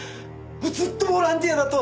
ずっとボランティアだと！